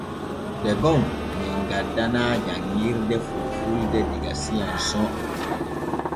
Degon men gaddanaa janŋirde fulfulde diga S'ANSON.